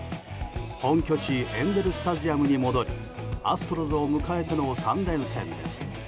本拠地エンゼル・スタジアムに戻りアストロズを迎えての３連戦です。